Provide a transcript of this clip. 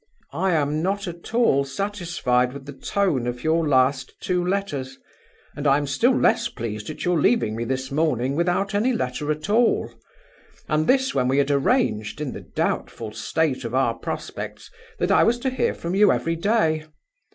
"I am not at all satisfied with the tone of your last two letters; and I am still less pleased at your leaving me this morning without any letter at all and this when we had arranged, in the doubtful state of our prospects, that I was to hear from you every day.